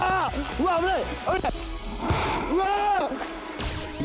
うわっ危ない！